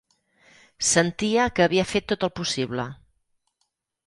Sentia que havia fet tot el possible.